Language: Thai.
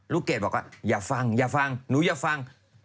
เกดบอกว่าอย่าฟังอย่าฟังหนูอย่าฟัง